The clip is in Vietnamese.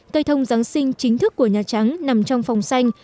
cây thông giáng sinh chính thức của nhà trắng nằm trong phòng xanh